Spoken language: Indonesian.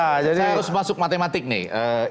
saya harus masuk matematik nih